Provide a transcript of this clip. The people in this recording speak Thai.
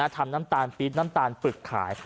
ทำน้ำตาลปี๊ดน้ำตาลฝึกขาย